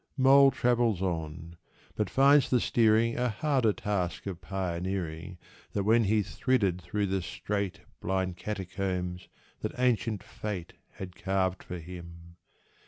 Mole travels on, but finds the steering A harder task of pioneering Than when he thridded through the strait Blind catacombs that ancient fate Had carved for him.